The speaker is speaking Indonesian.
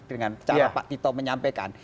dengan cara pak tito menyampaikan